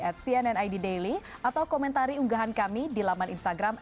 at cnn id daily atau komentari unggahan kami di laman instagram